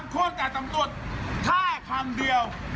๓คนแต่ตำรวจ๕ครั้งเดียว